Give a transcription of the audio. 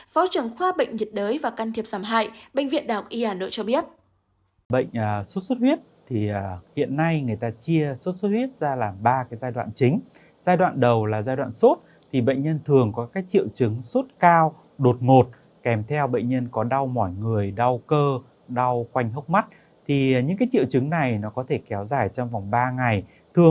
phó trưởng khoa bệnh nhiệt đới và can thiệp giảm hại bệnh viện đào y à nội cho biết